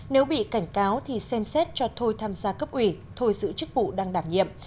nếu bị cảnh cáo thì xem xét cho thôi tham gia cấp ủy thôi giữ chức vụ đang đảm nhiệm